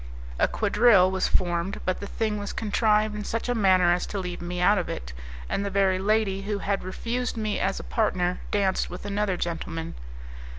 A quadrille was formed, but the thing was contrived in such a manner as to leave me out of it, and the very lady who had refused me as a partner danced with another gentleman.